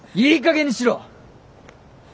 いい加減にしろ！